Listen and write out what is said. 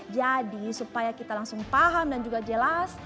jadi supaya kita langsung paham dan juga jelas